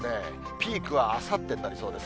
ピークはあさってになりそうです。